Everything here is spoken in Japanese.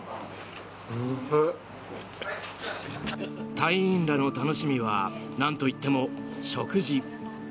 隊員らの楽しみは何といっても食事。